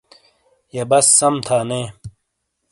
یَہہ بس سَم تھا نے۔